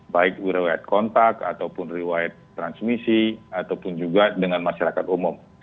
baik rewet kontak ataupun rewet transmisi ataupun juga dengan masyarakat umum